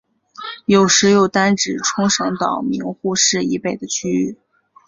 有时又单指冲绳岛名护市以北的地域。